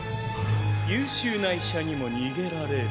優秀な医者にも逃げられる。